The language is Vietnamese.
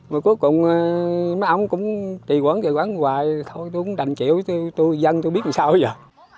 mà cuối cùng mấy ông cũng trì quẩn trì quẩn hoài thôi tôi cũng đành chịu tôi dân tôi biết làm sao bây giờ